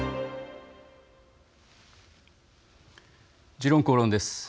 「時論公論」です。